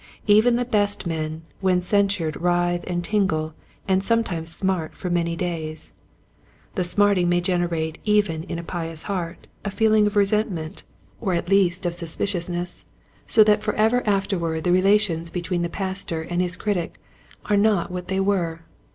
Even the best men when censured writhe and tingle and sometimes smart for many days. The smarting may generate even in a pious heart a feeling of resentment or at A Mirror for Ministers. 13 least of suspiciousness, so that forever afterward the relations between the Pastor and his critic are not what they were.